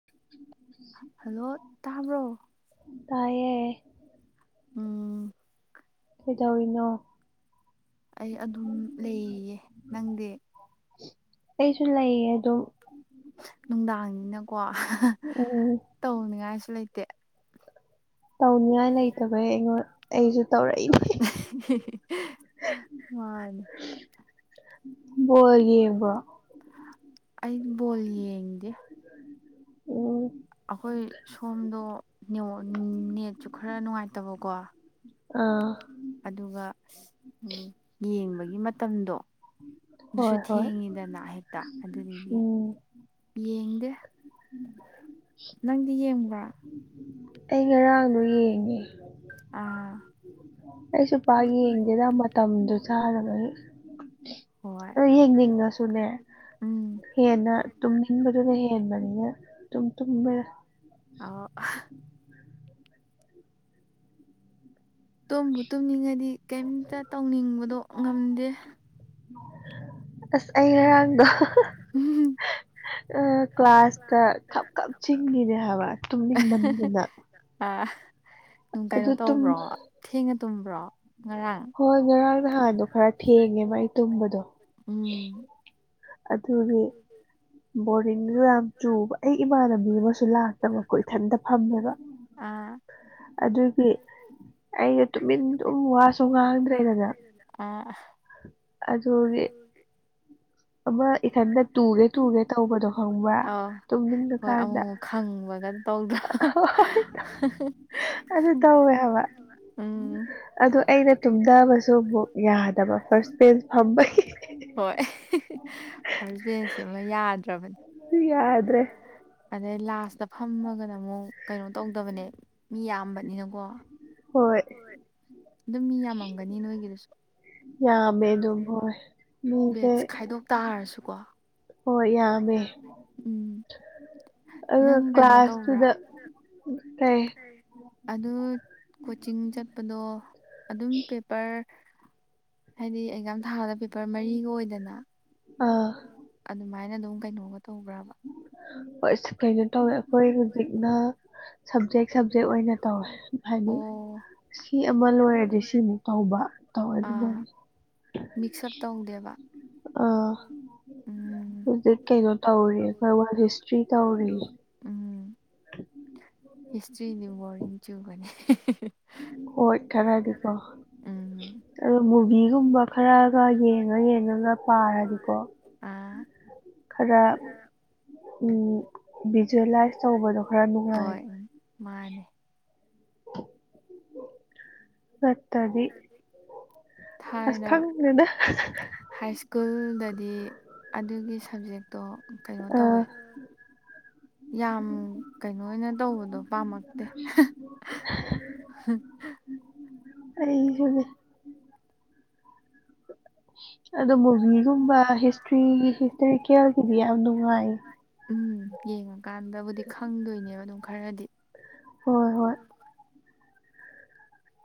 [inaudible] Hello ꯇꯥꯕ꯭ꯔꯣ ꯇꯥꯏꯌꯦ ꯎꯝ ꯀꯩꯗꯧꯔꯤꯅꯣ ꯑꯩ ꯑꯗꯨꯝ ꯂꯩꯌꯦ ꯅꯪꯗꯤ ꯑꯩꯁꯨ ꯂꯩꯌꯦ ꯑꯗꯨꯝ ꯅꯨꯡꯗꯥꯡꯅꯤꯅꯀꯣ ꯎꯝ ꯇꯧꯅꯤꯉꯥꯏꯁꯨ ꯂꯩꯇꯦ ꯇꯧꯅꯤꯡꯉꯥꯏ ꯂꯩꯇꯕꯩ ꯑꯩꯉꯣꯟ ꯑꯩꯁꯨ ꯇꯧꯔꯛꯏꯅꯦ ꯕꯣꯜ ꯌꯦꯡꯕ꯭ꯔꯣ ꯑꯩꯗꯤ ꯕꯣꯜ ꯌꯦꯡꯗꯦ ꯑꯣ ꯑꯩꯈꯣꯏ ꯁꯣꯝꯗꯣ ꯅꯦꯠꯋꯥꯛ ꯅꯦꯠꯁꯨ ꯈꯔ ꯅꯨꯡꯉꯥꯏꯇꯕꯀꯣ ꯑꯥ ꯑꯗꯨꯒ ꯌꯦꯡꯕꯒꯤ ꯃꯇꯝꯗꯣ ꯑꯗꯨꯁꯨ ꯊꯦꯡꯉꯤꯗꯅ ꯍꯦꯛꯇ ꯑꯗꯨꯗꯨꯒꯤ ꯌꯦꯡꯗꯦ ꯅꯪꯗꯤ ꯌꯦꯡꯕ꯭ꯔꯥ ꯑꯩ ꯉꯔꯥꯡꯗꯣ ꯌꯦꯡꯉꯦ ꯑꯩꯁꯨ ꯄꯥꯛ ꯌꯦꯡꯗꯦꯗ ꯃꯇꯝꯗꯨ ꯆꯥꯗꯕꯒꯤ ꯑꯩ ꯌꯦꯡꯅꯤꯡꯉꯁꯨꯅꯦ ꯍꯦꯟꯅ ꯇꯨꯝ ꯇꯨꯝꯕꯗꯨꯅ ꯍꯦꯟꯕꯅꯤꯅ ꯇꯨꯝ ꯇꯨꯝꯕ ꯑꯧ ꯑ ꯇꯨꯝꯕꯨ ꯇꯨꯝꯅꯤꯡꯉꯗꯤ ꯀꯩꯝꯇ ꯇꯧꯅꯤꯡꯕꯗꯣ ꯉꯝꯗꯦ ꯑꯁ ꯑꯩ ꯉꯔꯥꯡꯗꫭ ꯀ꯭ꯂꯥꯁꯇ ꯈꯞ ꯈꯞ ꯆꯤꯡꯉꯤꯅꯦ ꯍꯥꯏꯕ ꯇꯨꯝꯅꯤꯡꯃꯟꯗꯅ ꯑ ꯅꯨꯡ ꯀꯩꯅꯣ ꯇꯧꯕ꯭ꯔꯣ ꯊꯦꯡꯅ ꯇꯨꯝꯕ꯭ꯔꯣ ꯉꯔꯥꯡ ꯍꯣꯏ ꯉꯔꯥꯡ ꯅꯥꯍꯟ [unintelligible] ꯎꯝ ꯑꯗꯨꯒꯤ ꯕꯣꯔꯤꯡꯖꯨ ꯌꯥꯝ ꯆꯨꯕ ꯑꯩ ꯏꯃꯥꯟꯅꯕꯤ ꯑꯃꯁꯨ ꯂꯥꯛꯇꯕꯀꯣ ꯏꯊꯟꯇ ꯐꯝꯃꯦꯕ [inaudible] ꯑꯗꯨꯒꯤ ꯑꯩꯩꯗꫭ ꯇꯨꯃꯤꯟꯗꯨꯝ ꯋꯥꯁꯨ ꯉꯥꯡꯗ꯭ꯔꯦꯗꯅ ꯑ ꯑꯥ ꯑꯗꯨꯒꯤ ꯑꯧ ꯍꯣꯏ ꯑꯃꯨꯃꯨꯛ ꯈꯪꯕꯒ ꯇꯧꯗ꯭ꯔꯣ ꯑꯗꯨ ꯇꯧꯋꯦ ꯍꯥꯏꯕ ꯎꯝ ꯑꯗꯨ ꯑꯩꯅ ꯁꯨꯝ ꯀꯥꯕꯁꯨ ꯌꯥꯗꯕ ꯐꯥꯁ ꯕꯦꯟꯁ ꯐꯝꯕꯗꯤ ꯍꯣꯏ ꯐꯔꯁꯕꯦꯟꯁꯤꯃ ꯌꯥꯗ꯭ꯔꯕꯅꯦ ꯎꯝ ꯌꯥꯗꯔꯦ ꯑꯗꯩ ꯂꯥꯁꯇ ꯐꯝꯃꯒꯅ ꯑꯃꯨꯛ ꯀꯩꯅꯣ ꯇꯧꯗꯕꯅꯦ ꯃꯤ ꯌꯥꯝꯕꯅꯤꯅꯀꯣ ꯍꯣꯏ ꯑꯗꯨꯝ ꯃꯤ ꯌꯥꯝꯃꯝꯒꯅꯤ ꯅꯣꯏꯒꯤꯗꯨꯁꯨ ꯌꯥꯝꯃꯦ ꯑꯗꯨ ꯕꯦꯁ ꯈꯥꯏꯗꯣꯛ ꯇꯥꯔꯁꯨ ꯀꫭ ꯍꫭꯏ‌ ꯌꯥꯝꯃꯦ ꯎꯝ ꯑꯗꯨ ꯀ꯭ꯂꯥꯁ ꯇꯨꯗ ꯀꯩ ꯑꯗꯨ ꯀꯣꯆꯤꯡ ꯆꯠꯄꯗꯣ ꯑꯗꯨꯝ ꯄꯦꯄꯔ ꯍꯥꯏꯗꯤ ꯑꯦꯛꯖꯥꯝ ꯊꯥꯕꯗ ꯄꯦꯄꯔ ꯃꯔꯤꯒ ꯑꯣꯏꯗꯅ ꯑꯥ ꯑꯗꯨꯃꯥꯏꯅ ꯑꯗꯨꯝ ꯀꯩꯅꯣꯒ ꯇꯧꯕ꯭ꯔꯕ ꯍꯣꯏ ꯏꯁ ꯀꯩꯅꯣ ꯇꯧꯋꯦ ꯑꯩꯈꯣꯏ ꯍꯧꯖꯤꯛꯅ ꯁꯞꯖꯦꯛ ꯁꯞꯖꯦꯛ ꯑꯣꯏꯅ ꯇꯧꯋꯦ ꯍꯥꯏꯗꯤ ꯁꯤ ꯑꯃ ꯂꯣꯏꯔꯗꯤ ꯁꯤꯃꯨꯛ ꯇꯧꯕ ꯇꯧꯋꯦ ꯑꯗꯨꯃꯥꯏ ꯃꯤꯛꯁ ꯑꯞ ꯇꯧꯗꯦꯕ ꯑ ꯍꯧꯖꯤꯛ ꯀꯩꯅꯣ ꯇꯧꯔꯤ ꯉꯋꯥꯟ ꯍꯤꯁꯇ꯭ꯔꯤ ꯇꯧꯔꯤ ꯍꯤꯁꯇ꯭ꯔꯤ ꯗꯤ ꯕꯣꯔꯤꯡ ꯆꯨꯕꯅꯦ ꯍꯣꯏ ꯈꯔꯗꯤꯀꯣ ꯑꯗꯣ ꯃꯨꯚꯤꯒꯨꯝꯕ ꯈꯔꯒ ꯌꯦꯡꯉ ꯌꯦꯡꯉꯒ ꯄꯥꯔꯗꯤꯀꯣ ꯑꯥ ꯈꯔ ꯚꯤꯖꯨꯋꯦꯂꯥꯏꯁ ꯇꯧꯕꯗꯣ ꯈꯔ ꯅꯨꯡꯉꯥꯏ꯫ ꯃꯥꯅꯦ [inaudible] ꯆꯠꯇꯗꯤ ꯑꯁ ꯈꯪꯗꯦꯗ ꯍꯥꯏ ꯁ꯭ꯀꯨꯜꯗꯗꯤ ꯑꯗꯨꯒꯤ ꯁꯕꯖꯦꯛꯇꯣ ꯀꯩꯅꯣ ꯇꯧꯑꯦ ꯌꯥꯝ ꯀꯩꯅꯣ ꯑꯣꯏꯅ ꯇꯧꯕꯗꯣ ꯄꯥꯝꯃꯛꯇꯦ ꯑꯗꯣ ꯃꯨꯚꯤꯒꯨꯝꯕ ꯍꯤꯁꯇ꯭ꯔꯤ ꯍꯤꯁꯇꯣꯔꯤꯀꯦꯜꯒꯤꯗꯤ ꯌꯥꯝ ꯅꯨꯡꯉꯥꯏ ꯎꯝ ꯌꯦꯡꯉꯀꯥꯟꯗꯕꯨꯗꯤ ꯈꯪꯗꯣꯏꯅꯦꯕ ꯑꯗꯨꯝ ꯈꯔꯗꯤ꯫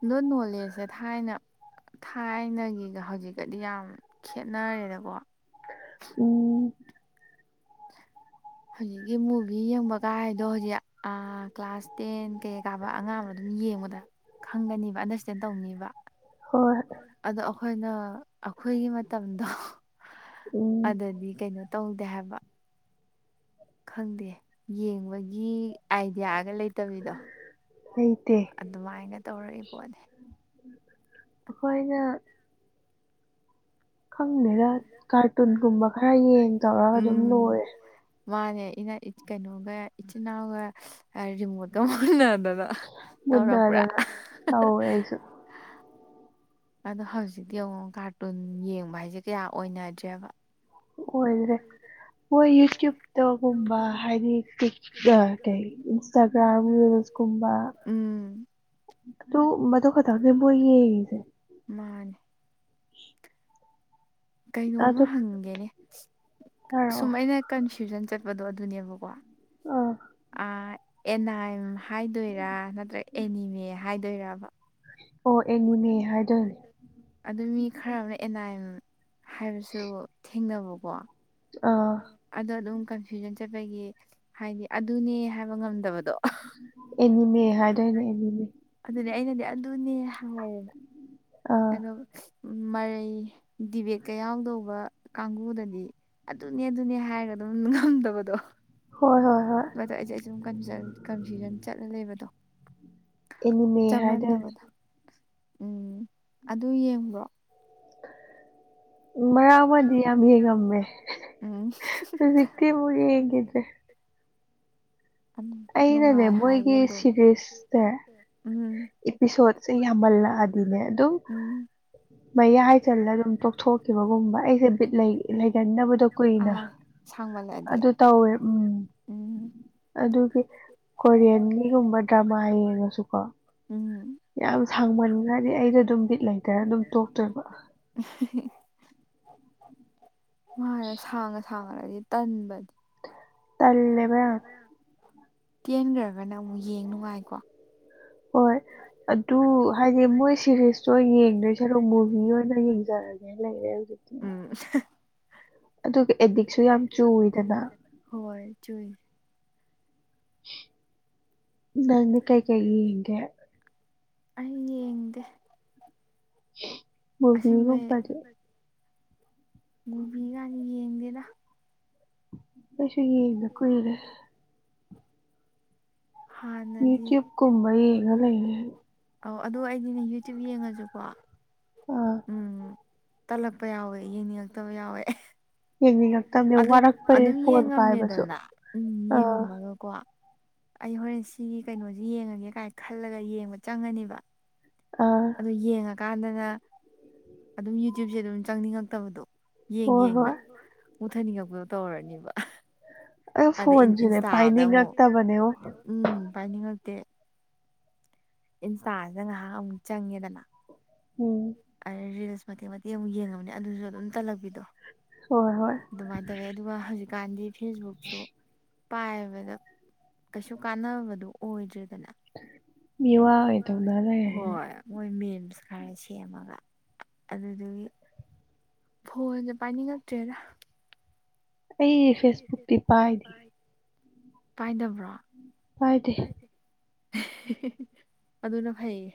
ꯑꯗꯣ ꯅꯣꯂꯦꯖꯁꯦ ꯊꯥꯏꯅ ꯊꯥꯏꯅꯒꯤꯒ ꯍꯧꯖꯤꯛꯀꯗꯤ ꯌꯥꯝ ꯈꯦꯠꯅꯔꯦꯗꯀꯣ꯫ ꯎꯝ꯫ ꯍꯧꯖꯤꯛꯀꯤ ꯃꯨꯚꯤ ꯌꯦꯡꯕꯒꯥꯏ ꯍꯥꯏꯗꯣ ꯍꯧꯖꯤꯛ ꯑꯥ ꯀ꯭ꯂꯥꯁ ꯇꯦꯟ ꯀꯩ ꯀꯥꯕ ꯑꯉꯥꯡ ꯑꯃꯅ ꯑꯗꯨꯝ ꯌꯦꯡꯕꯗ ꯈꯪꯒꯅꯤꯕ ꯑꯟꯗꯔꯁꯇꯦꯟ ꯇꯧꯅꯤꯕ꯫ ꯍꯣꯏ ꯑꯗꯣ ꯑꯩꯈꯣꯏꯅ ꯑꯩꯈꯣꯏꯒꯤ ꯃꯇꯝꯗꯣ ꯑꯗꯗꯤ ꯀꯩꯅꯣ ꯇꯧꯗꯦ ꯍꯥꯏꯕ ꯈꯪꯗꯦ ꯌꯦꯡꯕꯒꯤ ꯑꯥꯏꯗꯤꯌꯥꯒ ꯂꯩꯇꯕꯤꯗꯣ꯫ ꯑꯗꯨꯃꯥꯏꯒ ꯇꯧꯔꯛꯏ ꯄꯣꯠꯅꯤ꯫ ꯑꯩꯈꯣꯏꯅ ꯈꯪꯗꯦꯗ [unintelligible] ꯎꯝ ꯃꯥꯅꯦ ꯏꯅ- ꯀꯩꯅꯣꯒ ꯏꯆꯤꯟꯅꯥꯎꯒ ꯔꯤꯃꯣꯠꯀ ꯃꯨꯟꯅꯗꯅ ꯇꯧꯔꯛꯄ꯭ꯔꯥ? ꯑꯗꯣ ꯍꯧꯖꯤꯛꯇꯤ ꯑꯃꯨꯛ ꯀꯥꯔꯇꯨꯟ ꯌꯦꯡꯕ ꯍꯥꯏꯁꯦ ꯀꯌꯥ ꯑꯣꯏꯅꯗ꯭ꯔꯦꯕ꯫ ꯑꯣꯏꯗ꯭ꯔꯦ꯫ ꯃꯣꯏ ꯌꯨꯇ꯭ꯌꯨꯕꯇꯒꯨꯝꯕ ꯍꯥꯏꯗꯤ ꯇꯤꯛ ꯑ- ꯀꯩ ꯏꯟꯁꯇꯥꯒ꯭ꯔꯥꯝ ꯔꯤꯜꯁ ꯀꯨꯝꯕ ꯑꯗꯨ ꯃꯗꯨ ꯈꯛꯇꯪꯅꯦ ꯃꯣꯏ ꯌꯦꯡꯉꯤꯁꯦ꯫ ꯃꯥꯅꯦ꯫ ꯀꯩꯅꯣꯃ ꯍꯪꯒꯦꯅꯦ ꯁꯨꯝ ꯑꯩꯅ ꯀꯟꯐ꯭ꯌꯨꯖꯟ ꯆꯠꯄꯗꯣ ꯑꯗꯨꯅꯦꯕꯀꯣ ꯑ ꯑꯦꯅꯥꯏꯝ ꯍꯥꯏꯗꯣꯏꯔꯥ ꯅꯠꯇ꯭ꯔꯒ ꯑꯦꯅꯤꯃꯦ ꯍꯥꯏꯗꯣꯏꯔꯕ? ꯑꯣ ꯑꯦꯅꯤꯃꯦ ꯍꯥꯏꯗꯣꯏꯅꯦ꯫ ꯑꯗꯨ ꯃꯤ ꯈꯔ ꯑꯃꯅ ꯑꯦꯟꯅꯥꯏꯝ ꯍꯥꯏꯕꯁꯨ ꯊꯦꯡꯅꯕꯀꯣ ꯑ ꯑꯗꯣ ꯑꯗꯨꯝ ꯀꯟꯐ꯭ꯌꯨꯖꯟ ꯆꯠꯄꯒꯤ ꯍꯥꯏꯗꯤ ꯑꯗꯨꯅꯦ ꯍꯥꯏꯕ ꯉꯝꯗꯕꯗꯣ꯫ ꯑꯦꯅꯤꯃꯦ -ꯍꯥꯏꯗꯣꯏꯅꯦ ꯑꯦꯅꯤꯃꯦ꯫ ꯑꯗꯨꯅꯦ ꯑꯩꯅꯗꯤ ꯑꯗꯨꯅꯦ ꯍꯥꯏꯌꯦꯕ꯫ ꯑꯥ ꯑꯗꯣ ꯃꯔꯩ ꯗꯤꯕꯦꯠꯀ ꯌꯥꯎꯗꯧꯕ ꯀꯥꯡꯒꯨꯗꯗꯤ ꯑꯗꯨꯅꯦ -ꯑꯗꯨꯅꯦ ꯍꯥꯏꯔꯒ ꯑꯗꯨꯝ ꯉꯝꯗꯕꯗꯣ꯫ ꯑꯗ ꯑꯩꯁꯦ ꯑꯩ ꯁꯨꯝ ꯀꯟꯖꯟ-ꯀꯟꯐ꯭ꯌꯨꯖꯟ ꯆꯠꯂ ꯂꯩꯕꯗꯣ꯫ ꯑꯦꯅꯤꯃꯦ ꯍꯥꯏꯗꯣꯏꯅꯦ꯫ ꯎꯝ ꯑꯗꯨ ꯌꯦꯡꯕ꯭ꯔꯣ? ꯃꯔꯥꯛ ꯑꯃꯗꯤ ꯌꯥꯝ ꯌꯀꯡꯉꯝꯃꯦ ꯍꯧꯖꯤꯛ ꯇꯤ ꯑꯃꯨꯛ ꯌꯦꯡꯒꯤꯗ꯭ꯔꯦ꯫ ꯑꯗꯨ ꯅꯨꯡꯉꯥꯏ ꯍꯥꯏꯌꯦ ꯑꯗꯨꯝ ꯎꯝ ꯏꯄꯤꯁꯣꯠꯁꯦ ꯌꯥꯝꯃꯜꯂꯛꯑꯗꯤꯅꯦ ꯑꯗꯨꯝ ꯃꯌꯥꯏ ꯆꯜꯂ ꯑꯗꯨꯝ ꯇꯣꯛꯊꯣꯛꯈꯤꯕꯒꯨꯝꯕ ꯑꯩꯁꯦ ꯕꯤꯠ ꯂꯩꯒꯟꯗꯕꯗꯣ ꯀꯨꯏꯅ꯫ ꯑꯗꯨ ꯇꯧꯋꯦ ꯎꯝ꯫ ꯑꯗꯨꯒꯤ ꯀꯣꯔꯤꯌꯦꯟꯒꯤꯒꯨꯝꯕ ꯗ꯭ꯔꯃꯥ ꯌꯦꯡꯉꯁꯨꯀꯣ ꯎꯝ ꯌꯥꯝ ꯁꯥꯡꯃꯟꯈ꯭ꯔꯗꯤ ꯑꯩꯗꯣ ꯑꯗꯨꯝ ꯕꯤꯠ ꯂꯩꯇꯔ ꯑꯗꯨꯝ ꯇꯣꯛꯇꯣꯏꯕ꯫ ꯃꯥꯅꯦ ꯁꯥꯡꯒ ꯁꯥꯡꯉꯗꯤ ꯇꯟꯕꯅꯤ, ꯇꯜꯂꯦꯕ ꯌꯥꯝ ꯇꯦꯟꯒ꯭ꯔ ꯒ꯭ꯔꯥꯅ- ꯑꯃꯨꯛ ꯌꯦꯡ ꯅꯨꯡꯉꯥꯏꯀꯣ? ꯍꯣꯏ ꯑꯗꯨ ꯍꯥꯏꯗꯤ ꯃꯣꯏ ꯁꯦꯔꯤꯁꯇꯣ ꯌꯦꯡꯗꯣꯏ ꯁꯔꯨꯛ ꯃꯨꯚꯤ ꯑꯣꯏꯅ ꯌꯦꯡꯖꯔꯒꯦ ꯂꯩꯔꯦ ꯍꯧꯖꯤꯛ꯫ ꯎꯝ ꯑꯗꯨꯒ ꯑꯦꯗꯤꯛꯁꯨ ꯌꯥꯝ ꯆꯨꯔꯤꯗꯅ ꯍꯣꯏ ꯆꯨꯏ ꯑꯩ ꯌꯦꯡꯗꯦ꯫ ꯃꯨꯚꯤꯒꯨꯝꯕꯗꯤ ꯃꯨꯕꯤꯒ ꯌꯦꯡꯗꯦꯗ꯫ ꯑꯩꯈꯣꯏꯁꯨ ꯌꯦꯡꯗ ꯀꯨꯏꯔꯦ ꯍꯥꯟꯅꯗꯤ ꯑꯧ ꯑꯗꯨ ꯑꯩꯗꯤꯅꯦ ꯌꯨꯇ꯭ꯌꯨꯕ ꯌꯦꯡꯉꯁꯨꯀꯣ ꯑꯥ ꯎꯝ ꯇꯜꯂꯛꯄ ꯌꯥꯎꯋꯦ ꯌꯦꯡꯅꯤꯡꯉꯛꯇꯕ ꯌꯥꯎꯋꯦ ꯑꯦ ꯑꯗꯨ ꯑꯗꯨꯝ ꯌꯦꯡꯉꯝꯃꯦꯗꯅ ꯎꯝ ꯌꯦꯡꯉꯝꯃꯒ ꯀꯣ ꯑꯩ ꯍꯣꯔꯦꯟ ꯁꯤꯒꯤ ꯀꯩꯅꯣꯖꯤ ꯌꯦꯡꯉꯒꯦ ꯀꯥꯏꯅ ꯈꯜꯂꯒ ꯌꯦꯡꯕ ꯆꯪꯉꯅꯦꯕ ꯑꯗꯣ ꯌꯦꯡꯉꯀꯥꯟꯗꯅ ꯑꯗꯨꯝ ꯌꯨꯇ꯭ꯌꯨꯕꯁꯦ ꯑꯗꯨꯝ ꯆꯪꯅꯤꯡꯉꯛꯇꯕꯗꯣ ꯌꯦꯡ ꯌꯦꯡꯅ ꯃꯨꯊꯠꯅꯤꯡꯉꯛꯄꯗꯣ ꯇꯧꯔꯅꯦꯕ ꯑꯗ ꯏꯟꯁꯇꯥꯗ ꯑꯃꯨꯛ ꯎꯝ ꯄꯥꯏꯅꯤꯡꯉꯛꯇꯦ ꯏꯟꯁꯇꯥꯗ ꯉꯥꯏꯍꯥꯛ ꯑꯃꯨꯛ ꯆꯪꯉꯦꯗꯅ ꯎꯝ ꯑꯗ ꯔꯤꯜꯁ ꯃꯇꯦꯛ ꯃꯇꯦꯛ ꯑꯃꯨꯛ ꯌꯦꯡꯉꯕꯅꯤ ꯑꯗꯨꯁꯨ ꯑꯗꯨꯝ ꯇꯜꯂꯛꯄꯤꯗꯣ ꯑꯗꯨꯃꯥꯏꯅ ꯇꯧꯋꯦ ꯑꯗꯨꯒ ꯍꯧꯖꯤꯛꯀꯥꯟꯗꯤ ꯐꯦꯁꯕꯨꯛꯁꯨ ꯄꯥꯏꯕꯗ ꯀꯩꯁꯨ ꯀꯥꯟꯅꯕꯗꯣ ꯑꯣꯏꯗ꯭ꯔꯦꯗꯅ ꯍꯣꯏ ꯃꯣꯏ ꯃꯦꯝꯁ ꯈꯔ ꯁꯦꯝꯃꯒ ꯑꯗꯨꯗꯨꯒꯤ ꯐꯣꯟꯁꯦ ꯄꯥꯏꯅꯤꯡꯉꯛꯇ꯭ꯔꯦꯗ ꯑꯩ ꯐꯦꯁꯕꯨꯛꯇꯤ ꯄꯥꯏꯗꯤ ꯄꯥꯏꯗꯕ꯭ꯔꯣ ꯄꯥꯏꯗꯦ ꯑꯗꯨꯅ ꯐꯩꯌꯦ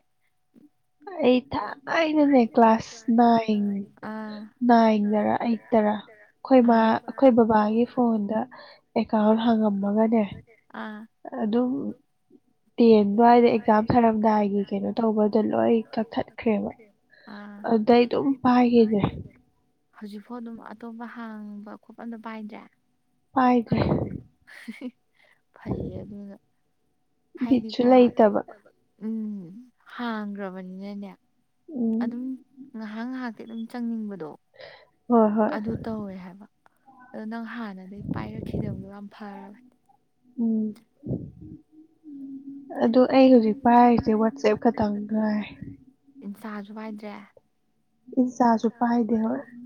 ꯑꯩ ꯊꯥꯏꯅꯅꯦ ꯀ꯭ꯂꯥꯁ ꯅꯥꯏꯟ ꯅꯥꯏꯟꯗꯔꯥ ꯑꯩꯠ ꯇꯔꯥ ꯑꯩꯈꯣꯏ ꯃꯥ ꯑꯩꯈꯣꯏ ꯕꯕꯥꯒꯤ ꯐꯣꯟꯗ ꯑꯦꯀꯥꯎꯟ ꯍꯥꯡꯉꯝꯃꯒꯅꯦ ꯑꯥ ꯑꯗꯨꯝ ꯇꯦꯟ ꯑꯗꯨꯋꯥꯏꯗ ꯑꯦꯛꯖꯥꯝ ꯊꯥꯔꯝꯗꯥꯏꯒꯤ ꯀꯩꯅꯣ ꯇꯧꯕꯗꯣ ꯂꯣꯏ ꯀꯛꯊꯠꯂꯦ ꯈ꯭ꯔꯦꯕ ꯑꯗꯩ ꯑꯗꯨꯝ ꯄꯥꯏꯒꯤꯗ꯭ꯔꯦ ꯍꯧꯖꯤꯛꯐꯥꯎ ꯑꯗꯨꯝ ꯑꯇꯣꯞꯄ ꯍꯥꯡꯕ ꯈꯣꯠꯄ ꯑꯃꯗ ꯄꯥꯏꯗ꯭ꯔꯦ ꯄꯥꯏꯗꯦ ꯐꯩꯌꯦ ꯑꯗꯨꯅ ꯍꯥꯏꯗꯤꯀꯣ ꯂꯩꯇꯕ ꯎꯝ ꯍꯥꯡꯒ꯭ꯔꯕꯅꯤꯅꯅꯦ ꯑꯗꯨꯝ ꯉꯥꯏꯍꯥꯛ ꯉꯥꯏꯍꯥꯛꯇꯤ ꯑꯗꯨꯝ ꯆꯪꯅꯤꯡꯕꯗꯣ ꯑꯗꯨ ꯇꯧꯋꯦ ꯍꯥꯏꯕ ꯑꯗꯣ ꯅꯪ ꯍꯥꯟꯅꯗꯩ ꯄꯥꯏꯔꯛꯈꯤꯗꯕꯗꯣ ꯌꯥꯝ ꯐꯔꯕꯅꯦ ꯎꯝ ꯑꯗꯨ ꯑꯩ ꯍꯧꯖꯤꯛ ꯄꯥꯏꯔꯤꯁꯦ ꯋꯥꯆꯞ ꯈꯛꯇꯪ ꯉꯥꯏ ꯏꯟꯁꯇꯥꯁꯨ ꯄꯥꯏꯗ꯭ꯔꯦ ꯏꯟꯁꯇꯥꯁꯨ ꯄꯥꯏꯗꯦꯕ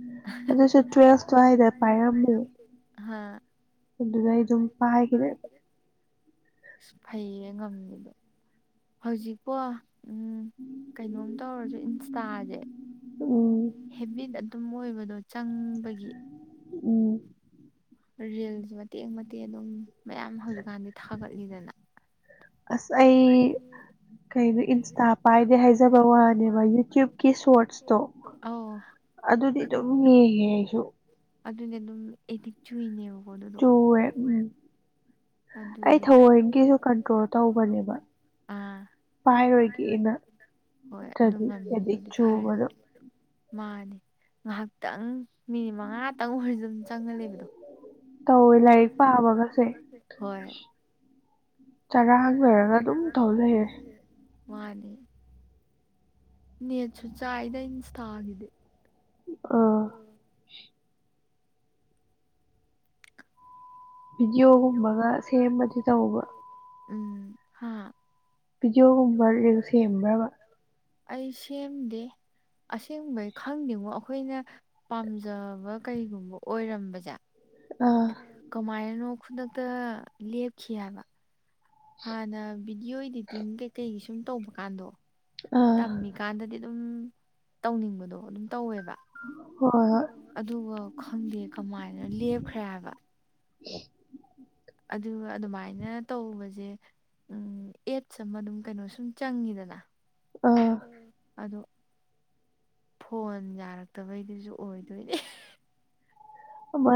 ꯇꯨꯋ ꯄꯥꯏꯔꯦ ꯄꯥꯏꯔꯝꯕ ꯍꯥꯥ ꯑꯗꯨꯗꯩ ꯑꯗꯨꯝ ꯄꯥꯏꯈꯤꯗ꯭ꯔꯦꯕ ꯑꯁ ꯐꯩꯌꯦ ꯉꯝꯃꯤꯗꯣ ꯍꯧꯖꯤꯛꯄꯣ ꯎꯝ ꯀꯩꯅꯣꯝ ꯇꯧꯔꯁꯨ ꯏꯟꯁꯇꯥꯁꯦ ꯍꯦꯕꯤꯠ ꯑꯗꯨꯝ ꯑꯣꯏꯕꯗꯣ ꯆꯪꯕꯒꯤ ꯎꯝ ꯔꯤꯜꯁ ꯃꯇꯦꯛ ꯃꯇꯦꯛ ꯑꯗꯨꯝ ꯃꯌꯥꯝ ꯍꯧꯖꯤꯛꯀꯥꯟꯗꯤ ꯊꯥꯒꯠꯂꯤꯗꯅ ꯑꯁ ꯑꯩ ꯑꯩ ꯏꯟꯁꯇꯥ ꯄꯥꯏꯗꯦ ꯍꯥꯏꯖꯕꯩ ꯋꯥꯅꯦꯕ ꯌꯨꯇ꯭ꯕꯨꯞꯀꯤ ꯁꯣꯔꯠꯇꯣ ꯑꯥ ꯑꯗꯨꯗꯤ ꯑꯗꯨꯝ ꯌꯦꯡꯉꯦ ꯑꯩꯁꯨ ꯑꯗꯨꯅꯦ ꯑꯗꯨꯝ ꯑꯦꯗꯤꯛ ꯆꯨꯏꯅꯦꯕꯀꯣ ꯑꯗꯨꯗꯣ ꯆꯨꯔꯦ ꯑꯗꯨꯅꯦ ꯑꯩ ꯊꯑꯣꯏꯒꯩꯁꯨ ꯀꯟꯇ꯭ꯔꯣꯜ ꯇꯧꯕꯅꯦ ꯄꯥꯏꯔꯣꯏꯒꯦꯅ ꯍꯣꯏ ꯑꯗꯨ ꯉꯝꯃꯤꯗꯨꯗꯤ ꯐꯔꯦ ꯃꯥꯅꯦ ꯉꯥꯏꯍꯥꯛꯇꯪ ꯃꯤꯅꯤꯠ ꯃꯉꯥꯇꯪ ꯑꯣꯏꯔꯁꯨ ꯑꯗꯨꯝ ꯆꯪꯒ ꯂꯩꯕꯗꯣ ꯇꯧꯋꯦ ꯂꯥꯏꯔꯤꯛ ꯄꯥꯕꯒꯁꯦ ꯆꯔꯥꯡ ꯈꯣꯏꯔꯥꯡꯅꯔꯒ ꯑꯗꯨꯝ ꯇꯧꯔ ꯂꯩꯔꯦ ꯃꯥꯅꯦ ꯅꯦꯠꯁꯨ ꯆꯥꯏꯗ ꯏꯟꯁꯇꯥꯒꯤꯗꯤ ꯑꯥ ꯑꯥ ꯚꯤꯗꯤꯑꯣꯒꯨꯝꯕꯒ ꯁꯦꯝꯕꯗꯤ ꯇꯧꯕ꯭ꯔꯣ ꯎꯝ ꯍꯥ ꯚꯤꯗꯤꯑꯣꯒꯨꯝꯕ ꯔꯤꯜꯁ ꯁꯦꯝꯕ꯭ꯔꯥꯕ ꯑꯩ ꯁꯦꯝꯗꯦ ꯑꯁꯦꯡꯕꯩ ꯈꯪꯗꯦꯉꯣ ꯑꯩꯈꯣꯏꯅ ꯄꯥꯝꯖꯕ ꯀꯩꯒꯨꯝꯕ ꯑꯣꯏꯔꯝꯕꯁꯦ ꯑꯥ ꯀꯃꯥꯏꯅꯅꯣ ꯈꯨꯗꯛꯇ ꯂꯦꯞꯈꯤ ꯍꯥꯏꯕ ꯍꯥꯟꯅ ꯚꯤꯗꯤꯑꯣ ꯏꯗꯤꯇꯤꯡ ꯀꯩꯀꯩꯒꯤ ꯁꯨꯝ ꯇꯧꯕ ꯀꯥꯟꯗꯣ ꯇꯝꯃꯤꯀꯥꯟꯗꯗꯤ ꯑꯗꯨꯝ ꯇꯧꯅꯤꯡꯕꯗꯣ ꯑꯗꯨꯝ ꯇꯧꯋꯦꯕ ꯍꯣꯏ ꯍꯣꯏ ꯑꯗꯨꯒ ꯈꯪꯗꯦ ꯀꯃꯥꯏꯅ ꯂꯦꯞꯈ꯭ꯔꯦ ꯍꯥꯏꯕ ꯑꯗꯨꯒ ꯑꯗꯨꯃꯥꯏꯅ ꯇꯧꯕꯁꯦ ꯎꯝ ꯑꯦꯠꯁ ꯑꯃ ꯑꯗꯨꯝ ꯀꯩꯅꯣ ꯁꯨꯝ ꯆꯪꯉꯤꯗꯅ ꯑꯗꯣ ꯐꯣꯟ ꯌꯥꯔꯛꯇꯕꯩꯗꯨꯁꯨ ꯑꯣꯏꯗꯣꯏꯅꯦ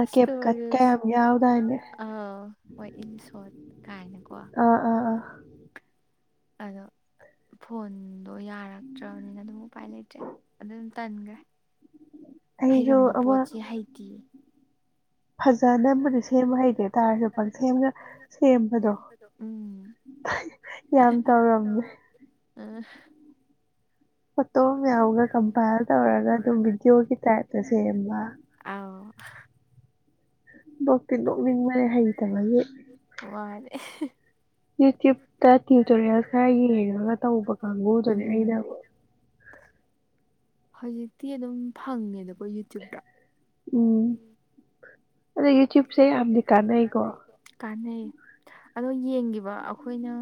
[unintelligible] ꯑꯥꯎ ꯍꯣꯏ ꯏꯟ ꯁꯣꯔꯠ ꯀꯥꯏꯅꯀꯣ ꯎꯝ ꯑꯗꯣ ꯐꯣꯟꯗꯣ ꯌꯥꯔꯛꯇ꯭ꯔꯕꯅꯤꯅ ꯑꯗꯨꯝ ꯎꯄꯥꯏ ꯂꯩꯇ꯭ꯔꯦ ꯑꯗꯨꯝ ꯇꯟꯒ꯭ꯔꯦ ꯍꯩꯔꯝꯕ ꯄꯣꯠꯁꯤ ꯍꯩꯇꯤꯌꯦ ꯐꯖꯅꯕꯨꯗꯤ ꯁꯦꯝꯕ ꯍꯩꯇꯦ ꯇꯥꯔꯁꯨ ꯄꯪꯁꯦꯝꯒ ꯁꯦꯝꯕꯗꯣ ꯌꯥꯝ ꯇꯧꯔꯝꯃꯦ ꯑꯥ ꯐꯣꯇꯣ ꯃꯌꯥꯝꯒ ꯀꯝꯄꯥꯏꯜ ꯇꯧꯔꯒ ꯑꯗꯨꯝ ꯚꯤꯗꯤꯑꯣꯒꯤ ꯇꯥꯏꯞꯇ ꯁꯦꯝꯕ ꯑꯥꯎ ꯅꯣꯛꯇꯤ ꯅꯣꯛꯅꯤꯕꯅꯦ ꯍꯩꯇꯕꯒꯤ꯫ ꯋꯥꯔꯦ ꯌꯨꯇ꯭ꯌꯨꯕꯇ ꯇ꯭ꯌꯨꯇꯣꯔꯤꯌꯦꯜ ꯈꯔ ꯌꯦꯡꯉꯒ ꯇꯧꯕ ꯀꯥꯡꯕꯨꯗꯨꯅꯦ ꯑꯩꯅ ꯍꯧꯖꯤꯛꯇꯤ ꯑꯗꯨꯝ ꯐꯪꯉꯦꯗꯀꯣ ꯌꯨꯇ꯭ꯌꯨꯕꯇ ꯎꯝ ꯑꯗꯣ ꯌꯨꯇ꯭ꯌꯨꯕꯁꯦ ꯌꯥꯝꯗꯤ ꯀꯥꯟꯅꯩꯀꯣ꯫ ꯀꯥꯟꯅꯩꯌꯦ ꯑꯗꯣ ꯌꯦꯡꯈꯤꯕ ꯑꯩꯈꯣꯏꯅ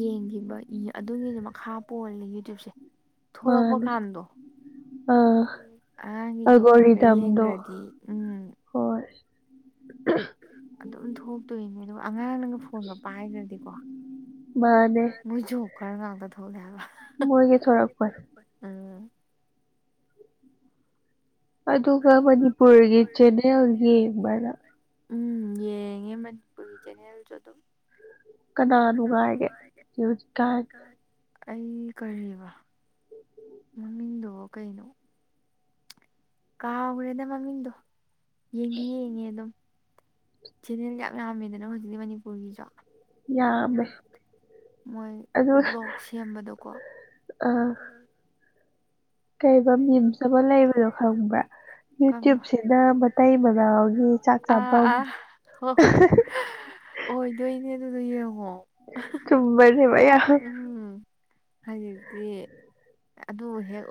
ꯌꯦꯡꯈꯤꯕ ꯑꯗꯨꯒꯤꯗꯣ ꯃꯈꯥ ꯄꯣꯜꯂꯤ ꯌꯨꯇ꯭ꯌꯨꯕꯁꯦ ꯊꯣꯛꯂꯛꯄ ꯀꯥꯟꯗꯣ ꯑꯉꯥꯡꯒꯤ ꯖꯣꯀꯔꯒꯥ ꯌꯦꯡꯈ꯭ꯔꯗꯤ ꯎꯝ ꯍꯣꯏ ꯑꯗꯨꯝ ꯊꯣꯛꯇꯣꯏꯅꯦ ꯑꯗꯣ ꯑꯉꯥꯡꯅꯒ ꯐꯣꯟꯒ ꯄꯥꯏꯈ꯭ꯔꯗꯤꯀꯣ ꯃꯣꯢ ꯖꯣꯀꯔ ꯉꯥꯛꯇꯥ ꯊꯣꯔꯛꯑꯦ ꯍꯥꯏꯕꯥ ꯫ ꯃꯣꯏꯒꯤ ꯊꯣꯔꯛꯄꯅꯦ ꯑꯗꯨꯒ ꯃꯅꯤꯄꯨꯔꯒꯤ ꯆꯦꯟꯅꯦꯜ ꯌꯦꯡꯕꯔ? ꯎꯝ ꯌꯦꯡꯉꯦ ꯃꯅꯤꯄꯨꯔꯤ ꯆꯦꯅꯦꯜꯁꯨ ꯑꯗꯨꯝ꯫ ꯀꯅꯥ ꯅꯨꯡꯉꯥꯏꯒꯦ [unintelligible] ꯑꯩ ꯀꯔꯤꯕ ꯃꯃꯤꯡꯗꯣꯕꯣ ꯀꯩꯅꯣ ꯀꯥꯎꯈ꯭ꯔꯦꯗ ꯃꯃꯤꯡꯗꯣ ꯌꯦꯡꯗꯤ ꯌꯦꯡꯉꯦ ꯑꯗꯨꯝ ꯆꯦꯅꯦꯜ ꯌꯥꯝ ꯌꯥꯝꯃꯤꯗꯅ ꯍꯧꯖꯤꯛꯇꯤ ꯃꯅꯤꯄꯨꯔꯒꯤꯁꯨ ꯌꯥꯝꯃꯦ ꯃꯣꯏ ꯕ꯭ꯂꯣꯛ ꯁꯦꯝꯕꯗꯣꯀꯣ ꯀꯩꯕ ꯃꯤꯝꯁ ꯑꯃ ꯂꯩꯕꯗꯣ ꯈꯪꯕ꯭ꯔꯥ? ꯌꯨꯇ꯭ꯌꯨꯕꯁꯤꯅ ꯃꯇꯩ ꯃꯅꯥꯎꯒꯤ ꯆꯥꯛ ꯆꯥꯐꯝ ꯍꯣ ꯍꯣꯏ ꯑꯣꯏꯗꯣꯏꯅꯦ ꯑꯗꯨꯗꯣ ꯌꯦꯡꯉꯣ ꯆꯨꯨꯝꯃꯦ ꯆꯨꯝꯃꯦ ꯌꯥꯝ ꯍꯥꯏꯗꯨꯗꯤ ꯑꯗꯨ ꯍꯦꯛ ꯑꯣ